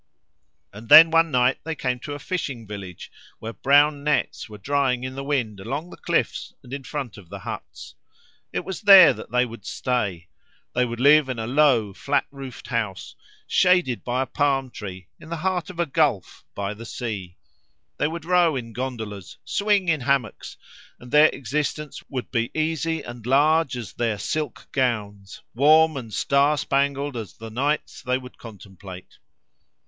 And then, one night they came to a fishing village, where brown nets were drying in the wind along the cliffs and in front of the huts. It was there that they would stay; they would live in a low, flat roofed house, shaded by a palm tree, in the heart of a gulf, by the sea. They would row in gondolas, swing in hammocks, and their existence would be easy and large as their silk gowns, warm and star spangled as the nights they would contemplate.